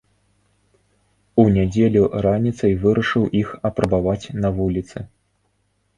У нядзелю раніцай вырашыў іх апрабаваць на вуліцы.